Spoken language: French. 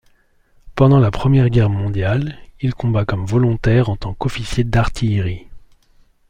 Pendant la Première Guerre mondiale, il combat comme volontaire en tant qu’officier d’artillerie.